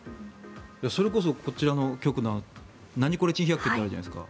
それこそこちらの局の「ナニコレ珍百景」あるじゃないですか。